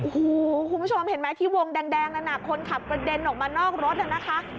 โอ้โหคุณผู้ชมเห็นไหมที่วงแดงนั้นคนขับกระเด็นออกมานอกรถน่ะนะคะ